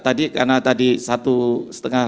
tadi karena tadi satu setengah